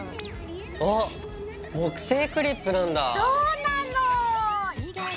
あっ木製クリップなんだぁ。